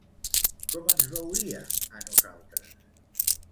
Com ens veuria a nosaltres?